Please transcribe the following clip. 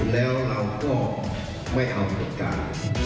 แล้วเราก็ไม่เอาตำกัด